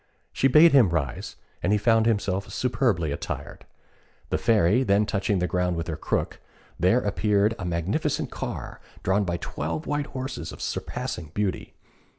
She bade him rise, and he found himself superbly attired. The Fairy then touching the ground with her crook, there appeared a magnificent car, drawn by twelve white horses of surpassing beauty.